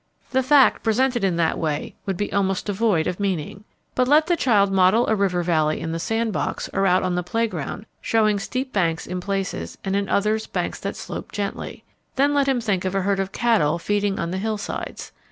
The fact presented in that way would be almost devoid of meaning. But let the child model a river valley in the sand box or out on the playground showing steep banks in places and in others banks that slope gently. Then let him think of a herd of cattle feeding on the hillsides.